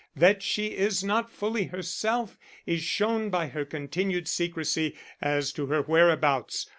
That she is not fully herself is shown by her continued secrecy as to her whereabouts.